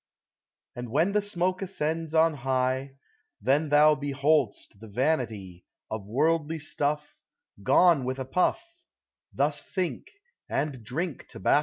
And when the smoke ascends on high, Then thou behold'st the vanity Of worldly stuff,— Gone with a puff : Thus think, and drink tobacco.